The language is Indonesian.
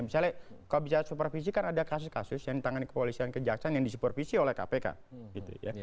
misalnya kalau bicara supervisi kan ada kasus kasus yang ditangani kepolisian kejaksaan yang disupervisi oleh kpk gitu ya